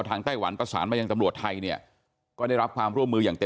ซึ่งที่เขาพูดมาเราก็รับฟัง